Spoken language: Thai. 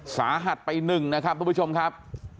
สาหัสไป๑นะครับทุกผู้ชมครับ